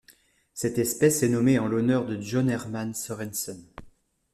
Cette espèce est nommée en l'honneur de John Herman Sorensen.